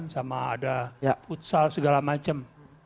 sama ada futsal segala macam